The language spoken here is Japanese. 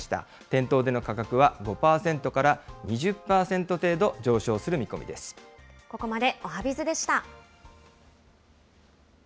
店頭での価格は５％から２０％程ここまでおはＢｉｚでした。